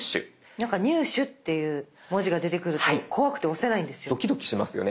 なんか入手っていう文字が出てくると怖くて押せないんですよ。